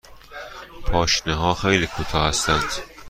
پاشنه ها خیلی کوتاه هستند.